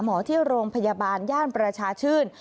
หมอที่โรงพยาบาลย่านประชาชื่น